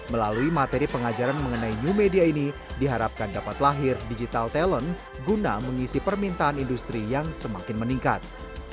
melalui materi pengajaran mengenai new media ini diharapkan dapat lahir digital talent guna mengisi permintaan industri yang semakin meningkat